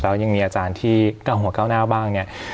แล้วยังมีอาจารย์ที่เก้าหัวก้าวหน้าบ้างเนี่ย